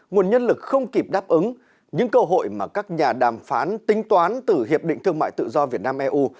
nguồn nhân lực không kịp đáp ứng những cơ hội mà các nhà đàm phán tính toán từ hiệp định thương mại tự do việt nam eu